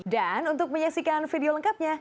dan untuk menyaksikan video lengkapnya